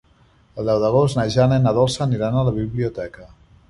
El deu d'agost na Jana i na Dolça aniran a la biblioteca.